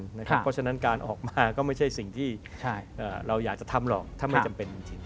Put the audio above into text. เพราะฉะนั้นการออกมาก็ไม่ใช่สิ่งที่เราอยากจะทำหรอกถ้าไม่จำเป็นจริง